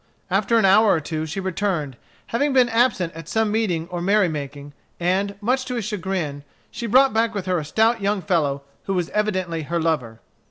After an hour or two she returned, having been absent at some meeting or merry making, and, much to his chagrin, she brought back with her a stout young fellow who was evidently her lover.